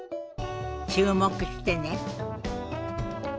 注目してね。